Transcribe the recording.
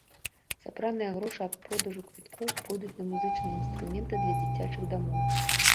Сабраныя грошы ад продажу квіткоў пойдуць на музычныя інструменты для дзіцячых дамоў.